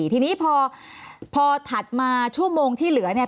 ทีนี้พอถัดมาชั่วโมงที่เหลือเนี่ย